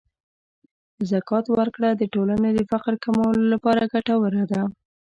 د زکات ورکړه د ټولنې د فقر کمولو لپاره ګټوره ده.